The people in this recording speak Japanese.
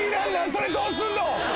それどうすんの！